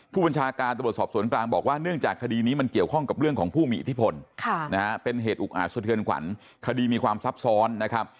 ผู้บัญชาการตำรวจสอบสวนกลางบอกว่าเนื่องจากคดีนี้มันเกี่ยวข้องกับเรื่องของผู้มีอิทธิพลเป็นเหตุอุกอาจสะเทือนขวัญคดีมีความซับซ้อนนะครับ